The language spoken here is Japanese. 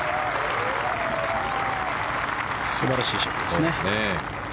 素晴らしいショットですね。